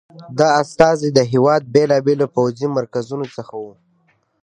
دا استازي د هېواد بېلابېلو پوځي مرکزونو څخه وو.